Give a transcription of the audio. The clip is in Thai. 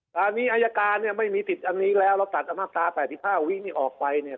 ตอนนี้อายการเนี่ยไม่มีสิทธิ์อันนี้แล้วเราตัดอมาตรา๘๕วินิออกไปเนี่ย